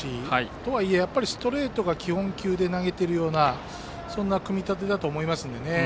とはいえ、ストレートが基本球で投げているようなそんな組み立てだとは思いますから。